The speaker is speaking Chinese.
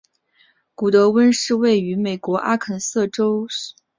古得温是位于美国阿肯色州圣弗朗西斯县的一个非建制地区。